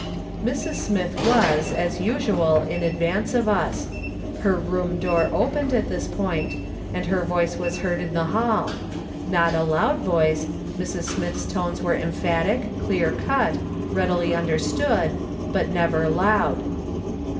Mrs. Smith was, as usual, in advance of us ; her room door opened at this point, and her voice was heard in the hall ; not a loud voice ; Mrs. Smith's 230 MA'S. SOLOMON SMITH LOOKING ON. tones were emphatic, clear cut, readily understood, but never loud.